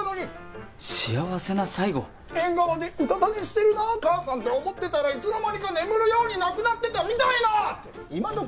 縁側でうたた寝してるなあ母さんって思ってたらいつの間にか眠るように亡くなってたみたいなって今どき